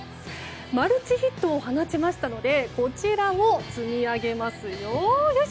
マルチヒットを放ちましたのでこちらを積み上げますよ。